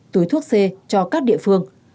túi thuốc c cho các địa phương